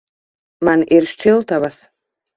Man ir šķiltavas.